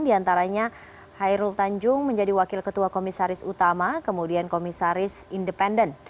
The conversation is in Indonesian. diantaranya hairul tanjung menjadi wakil ketua komisaris utama kemudian komisaris independen